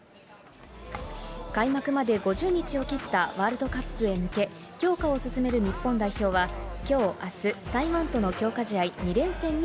開幕まで５０日を切ったワールドカップへ向け強化を進める日本代表はきょうあす、台湾との強化